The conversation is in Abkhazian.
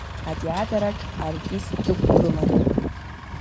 Атеатраҿ артист дықәгылан.